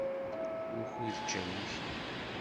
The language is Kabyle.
Wukud ččan imekli?